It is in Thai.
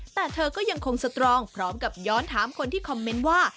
แต่เธอก็ยังคงสตรองพร้อมกับย้อนถามคนที่คอมเมนต์ว่า